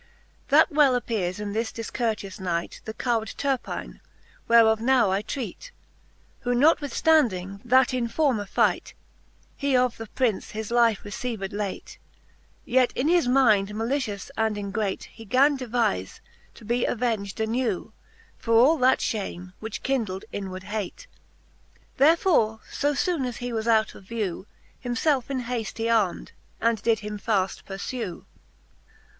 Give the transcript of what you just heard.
That well appeares in this difcourteous knight, The coward Turpiney whereof now I treat ; Who notwithftanding that in former fight He of the Prince his life received late, Yet in his mind malicious and ingrate He gan devize, to be aveng'd anew For all that fhame, which kindled inward hate; Therefore fb foone as he was out of vew, Ilimfelie in haft he arm'd, and did him fall purfew. III. Well Canto VII. the Faerie S^ueene, 301 III.